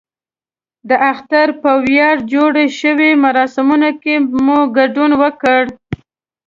د اختر په ویاړ جوړو شویو مراسمو کې مو ګډون وکړ.